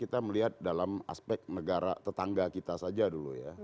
kita melihat dalam aspek negara tetangga kita saja dulu ya